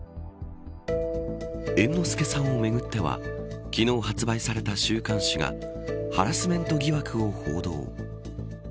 猿之助さんをめぐっては昨日発売された週刊誌がハラスメント疑惑を報道。